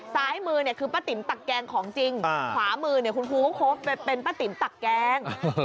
ซ้ายมือเนี่ยคือป้าติ๋มตักแกงของจริงขวามือเนี่ยคุณครูก็ครบเป็นป้าติ๋มตักแกง